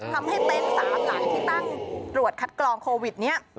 ทำให้เต็นต์สามหลายที่ตั้งตรวจคัดกรองโควิดเนี่ย